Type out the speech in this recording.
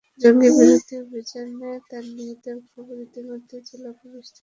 জঙ্গিবিরোধী অভিযানে তাঁর নিহতের খবর ইতিমধ্যেই জেলা পুলিশ থেকে নিশ্চিত করা হয়েছে।